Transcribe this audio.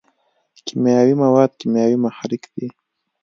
کیمیاوي مواد کیمیاوي محرک دی.